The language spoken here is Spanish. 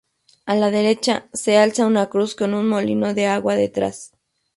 A la derecha se alza una cruz con un molino de agua detrás.